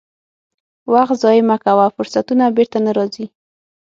وخت ضایع مه کوه، فرصتونه بیرته نه راځي.